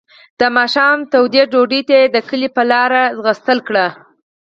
د ماښام تودې ډوډۍ ته یې د کلي په لاره منډه کړه.